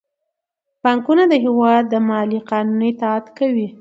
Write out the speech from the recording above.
بانکونه د هیواد د مالي قانون اطاعت کوي.